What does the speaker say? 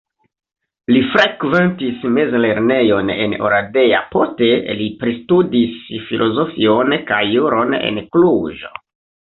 Li frekventis mezlernejon en Oradea, poste li pristudis filozofion kaj juron en Kluĵo.